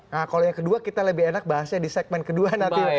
nah kalau yang kedua kita lebih enak bahasnya di segmen kedua nanti